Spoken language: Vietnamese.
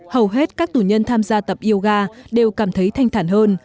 hầu hết các tù nhân tham gia tập yoga đều cảm thấy thanh thản hơn